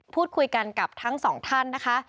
พูดคุยกันกับทั้งสองท่านนะคะ